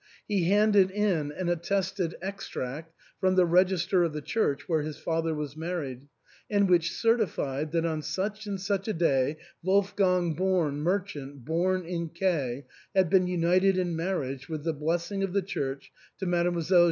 He handed in an attested ex tract from the register of the church where his father was married, which certified that on such and such a day Wolfgang Born, merchant, born in K ^ had been united in marriage with the blessing of the Church to Mdlle.